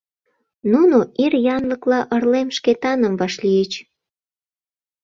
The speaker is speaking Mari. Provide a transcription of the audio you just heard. Нуно, ир янлыкла ырлем, Шкетаным вашлийыч.